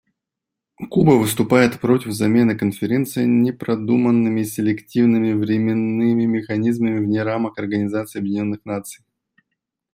Куба выступает против замены Конференции непродуманными, селективными, временными механизмами вне рамок Организации Объединенных Наций.